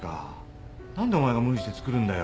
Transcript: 何でお前が無理して作るんだよ？